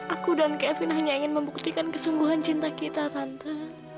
aku dan kevin hanya ingin membuktikan kesungguhan cinta kita tante